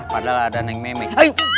padahal ada yang nemeh